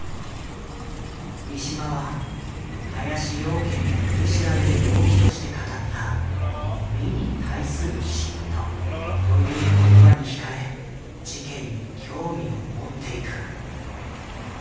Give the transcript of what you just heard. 三島は林養賢が取り調べで動機として語った「美に対する嫉妬」という言葉にひかれ事件に興味を持っていく。